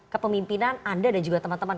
kepemimpinan anda dan juga teman teman